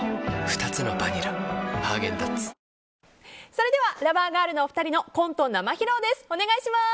それではラバーガールのお二人のコント生披露です。